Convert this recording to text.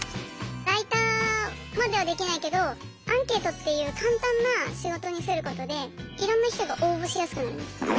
ライターまではできないけどアンケートっていう簡単な仕事にすることでいろんな人が応募しやすくなるんです。